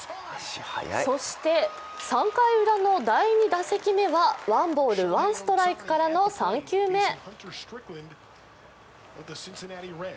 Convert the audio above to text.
そして３回ウラの第２打席目はワンボール、ワンストライクからの３球目。